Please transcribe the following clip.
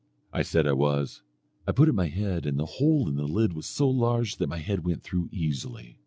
I said I was. I put up my head, and the hole in the lid was so large, that my head went through easily.